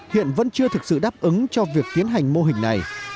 hiện vẫn chưa thực sự đáp ứng cho việc tiến hành mô hình này